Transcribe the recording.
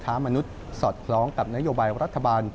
มนุษย์สอดคล้องกับนโยบายรัฐบาล